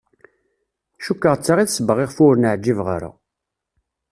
Cukkeɣ d ta i d ssebba iɣef ur wen-εǧibeɣ ara.